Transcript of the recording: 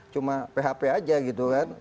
cuma php aja gitu kan